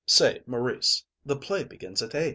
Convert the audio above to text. Say, Maurice, the play begins at eight.